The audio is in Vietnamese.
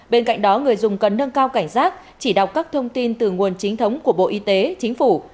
bên cạnh đó người dùng cần nâng cao cảnh giác chỉ đọc các thông tin từ nguồn chính thống của bộ y tế chính phủ